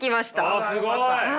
あすごい！